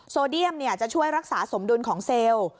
โซเดียมจะช่วยรักษาสมดุลของเซลล์